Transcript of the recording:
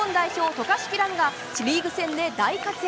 渡嘉敷来夢がリーグ戦で大活躍。